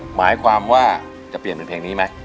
หมายความว่าจะเปลี่ยนเป็นเพลงนี้ไหม